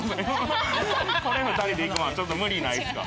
これ２人でいくのはちょっと無理ないですか？